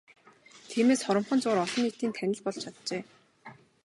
Тиймээс хоромхон зуур олон нийтийн танил болж чаджээ.